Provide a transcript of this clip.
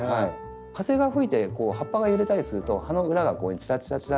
風が吹いて葉っぱが揺れたりすると葉の裏がチラチラチラッと。